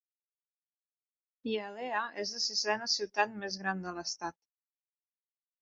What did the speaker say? Hialeah és la sisena ciutat més gran de l'estat.